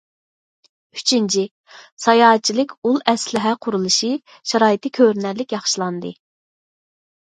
ئۈچىنچى، ساياھەتچىلىك ئۇل ئەسلىھە قۇرۇلۇشى شارائىتى كۆرۈنەرلىك ياخشىلاندى.